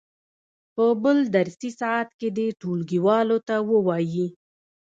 په بل درسي ساعت کې دې ټولګیوالو ته ووایي.